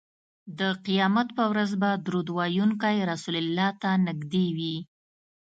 د قیامت په ورځ به درود ویونکی رسول الله ته نږدې وي